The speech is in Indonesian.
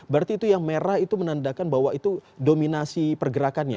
berarti itu yang merah itu menandakan bahwa itu dominasi pergerakannya